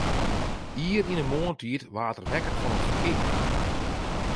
Ier yn 'e moarntiid waard er wekker fan it ferkear.